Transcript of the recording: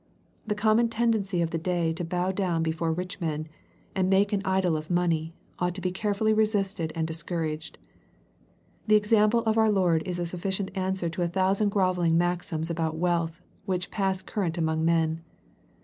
The common tendency of the day to bow down before rich men, and make an idol of money, ought to be carefully resisted and discouraged. The example of our Lord is a sufficient answer to a thousand grovelling maxims about wealth, which pass current among men.